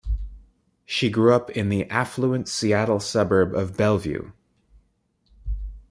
She grew up in the affluent Seattle suburb of Bellevue.